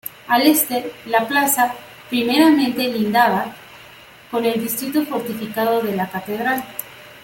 Al este la plaza primeramente lindaba con el distrito fortificado de la catedral.